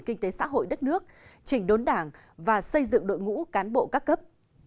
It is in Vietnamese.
kinh tế xã hội đất nước chỉnh đốn đảng và xây dựng đội ngũ cán bộ các cấp